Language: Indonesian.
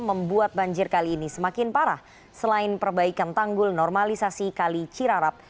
membuat banjir kali ini semakin parah selain perbaikan tanggul normalisasi kali cirarap